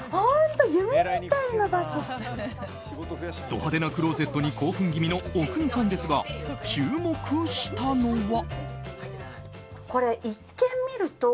ド派手なクローゼットに興奮気味の阿国さんですが注目したのは。